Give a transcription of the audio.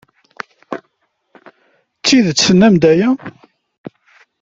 D tidet tennam-d aya?